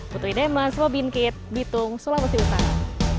butuh ide mas robin kit bitung sulawesi utara